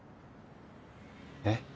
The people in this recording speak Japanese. えっ？